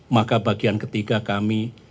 maka bagian ketiga kami